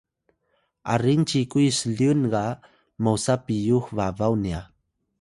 aring cikuy slyun ga mosa piyux babaw nya